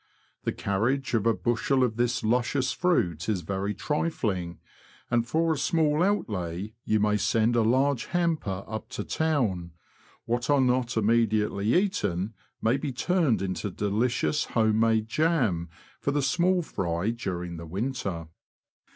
The carriage of a bushel of this luscious fruit is very trifling, and for a small outlay you may send a large hamper up to Town ; what are not immediately eaten may be turned into delicious home made jam for the small fry during the winter.